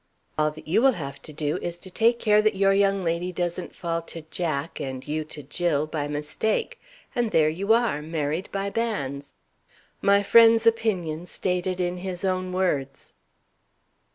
All that you will have to do is, to take care that your young lady doesn't fall to Jack, and you to Gill, by mistake and there you are, married by banns.' My friend's opinion, stated in his own words."